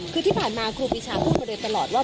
คือที่ผ่านมาครูปีชาพูดมาโดยตลอดว่า